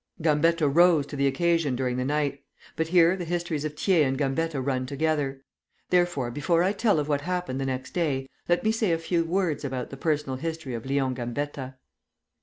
Gambetta rose to the occasion during the night; but here the histories of Thiers and Gambetta run together; therefore, before I tell of what happened the next day, let me say a few words about the personal history of Léon Gambetta.